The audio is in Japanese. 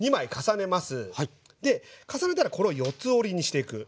で重ねたらこれを四つ折りにしていく。